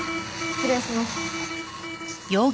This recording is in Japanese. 失礼します。